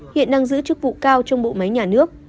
hiện đang giữ chức vụ cao trong bộ máy nhà nước